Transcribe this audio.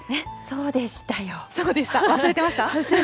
そうでした、忘れてました？